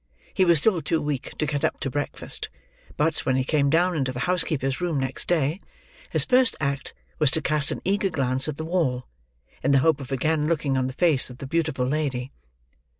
He was still too weak to get up to breakfast; but, when he came down into the housekeeper's room next day, his first act was to cast an eager glance at the wall, in the hope of again looking on the face of the beautiful lady.